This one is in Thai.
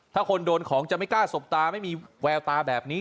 ถ้าคนโดนของจะไม่กล้าสบตาไม่มีแววตาแบบนี้